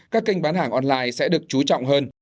các kênh bán hàng online sẽ được chú trọng hơn